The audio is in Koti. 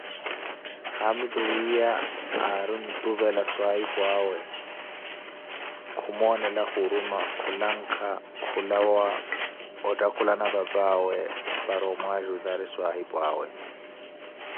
Haamitu wiiya ari ontuvela swahipwawe kumoonela huruma, khulanka kulawa ottakhulana papaawe para omwajutari swahipwaawe